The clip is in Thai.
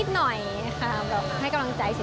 นิดหน่อยแบบแบบให้กำลังใจเฉย